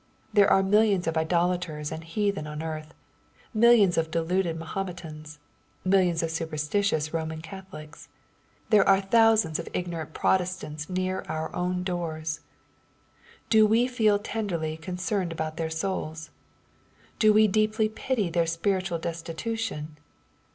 There are millions of idolaters and heathen on earth — ^millions of deluded Mahometans — millions of superstitious Bo man CathoUcs. There are thousands of ignorant Protest ants near our own doors. Do we feel tenderly concerned about their souls ? Do we deeply pity their spiritual destitution